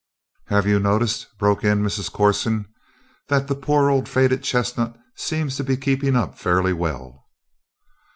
"Have you noticed," broke in Mrs. Corson, "that the poor old faded chestnut seems to be keeping up fairly well?"